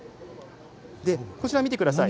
こちら見てください。